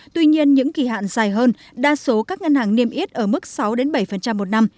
tuy nhiên những kỳ hạn dài hơn đa số các ngân hàng niêm yết ở mức sáu bảy một năm